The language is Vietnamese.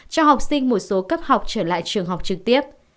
cho học sinh một số tiền